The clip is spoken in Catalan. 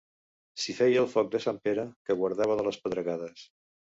S'hi feia el foc per Sant Pere, que guardava de les pedregades.